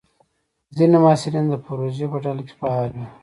ځینې محصلین د پروژې په ډله کې فعال وي.